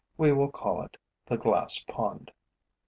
We will call it the glass pond.